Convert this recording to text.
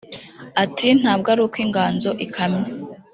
Ati “Ntabwo ari uko inganzo ikamye